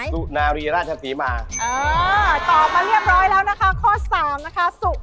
สุนารีราชสีมาก